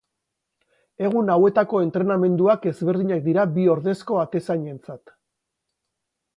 Egun hauetako entrenamenduak ezberdinak dira bi ordezko atezainentzat.